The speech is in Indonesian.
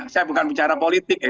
saya bukan bicara politik